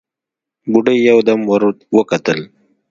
بوډۍ يودم ور وکتل: